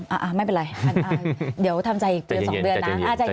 อ่าไม่เป็นไรเดี๋ยวทำใจอีกเดือน๒เดือนนะ